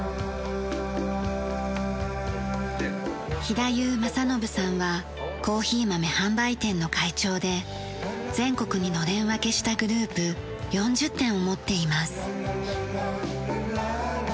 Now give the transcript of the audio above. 平湯正信さんはコーヒー豆販売店の会長で全国にのれん分けしたグループ４０店を持っています。